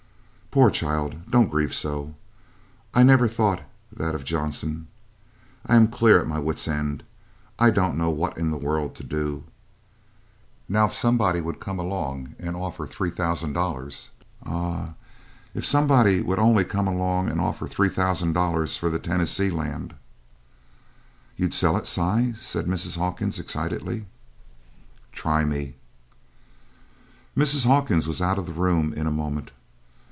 "Poor child, don't grieve so. I never thought that of Johnson. I am clear at my wit's end. I don't know what in the world to do. Now if somebody would come along and offer $3,000 Uh, if somebody only would come along and offer $3,000 for that Tennessee Land." "You'd sell it, Si!" said Mrs. Hawkins excitedly. "Try me!" Mrs. Hawkins was out of the room in a moment.